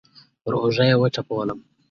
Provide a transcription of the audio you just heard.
پر اوږه يې وټپولم.